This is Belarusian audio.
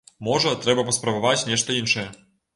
Можа, трэба паспрабаваць нешта іншае.